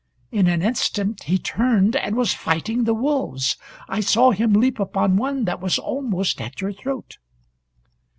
In an instant he turned, and was fighting the wolves. I saw him leap upon one that was almost at your throat."